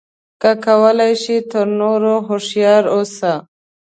که کولای شې تر نورو هوښیار اوسه.